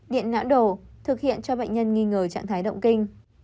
điện não đồ thực hiện cho bệnh nhân nghi ngờ trạng thái động kinh